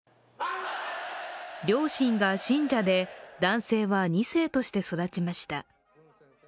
両親が信者で男性は２世として育ちました。